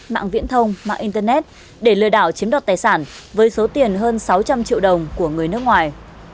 mạng viễn thông mạng internet để lừa đảo chiếm đoạt tài sản với số tiền hơn sáu trăm linh triệu đồng của người nước ngoài